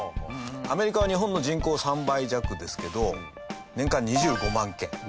アメリカは日本の人口３倍弱ですけど年間２５万件。